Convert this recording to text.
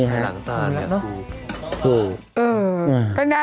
เนอะอืมเออเอออืมเออเออเออเออเออเออเออเออเออเออเออเออ